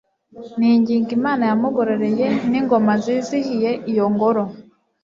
N' ingingo Imana yamugoroyeN' ingoma zizihiye iyo ngoro